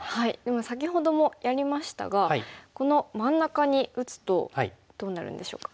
先ほどもやりましたがこの真ん中に打つとどうなるんでしょうか。